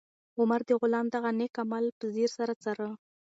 عمر د غلام دغه نېک عمل په ځیر سره څاره.